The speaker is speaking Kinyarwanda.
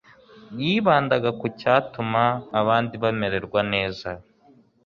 yibandaga ku cyatuma abandi bamererwa neza